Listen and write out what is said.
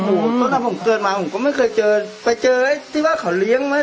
อื้ม